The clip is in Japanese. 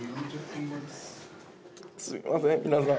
すいません皆さん。